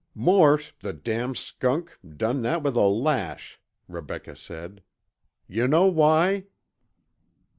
"Mort, the damn skunk, done that with a lash," Rebecca said. "You know why?"